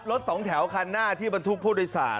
รถสองแถวคันหน้าที่มันทุกประโยสาร